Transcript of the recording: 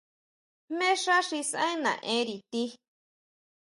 ¿Jmé xá xi saʼen naʼénri ti?